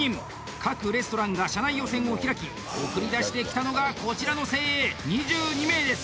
各レストランが社内予選を開き送り出してきたのがこちらの精鋭２２名です。